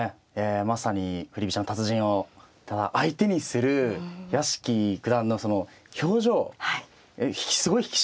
まさに振り飛車の達人をただ相手にする屋敷九段のその表情すごい引き締まってましたね。